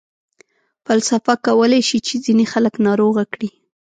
فلسفه کولای شي چې ځینې خلک ناروغه کړي.